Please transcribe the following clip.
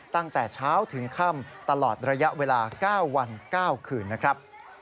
ตั้งแต่เช้าถึงค่ำตลอดระยะเวลา๙วัน๙คืนนะครับ